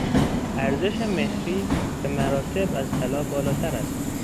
ارزش مهری به مراتب از طلا بالاتر است.